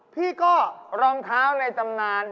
พี่ก็รองเท้าในตำนาน